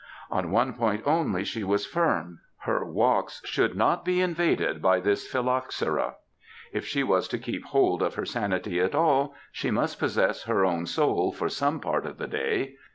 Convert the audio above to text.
On one point only she was firm ŌĆö ^her walks should not be invaded by this phylloxera. If she was to keep hold of her sanity at all, she must possess her own soul for some part of the day.